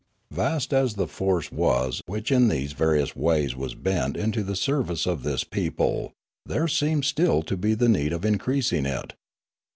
Vast as the force was which in these various ways Rimla 107 was bent into the service of this people, there seemed still to be the need of increasing it.